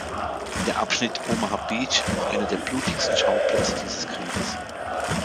Der Abschnitt Omaha Beach war einer der blutigsten Schauplätze dieses Krieges.